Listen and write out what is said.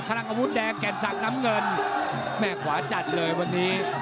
คลังกระมุดแดงแก่มสักน้ำเงินแม่ขวาจัดเลยวันนี้